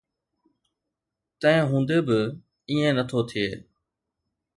تنهن هوندي به ائين نه ٿو ٿئي.